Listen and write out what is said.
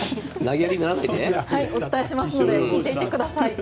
お伝えしますので聞いてください。